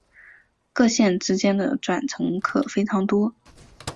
各线之间的转乘客非常多。